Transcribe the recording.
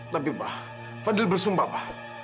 tapi pak fadil bersumpah pak